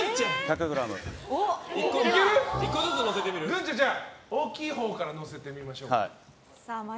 グンちゃん、じゃあ大きいほうから載せてみましょう。